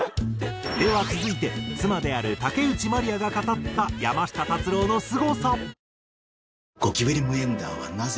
では続いて妻である竹内まりやが語った山下達郎のすごさ。